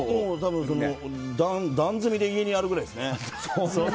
段積みで家にあるぐらいですね。